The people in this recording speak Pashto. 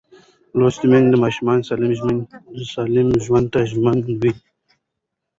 لوستې میندې د ماشوم سالم ژوند ته ژمن وي.